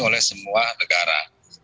oleh semua negara